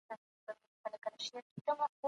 یوازې د بشریت حماقت دی چي نه بدلیږي.